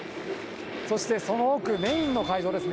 そしてその奥、メインの会場ですね、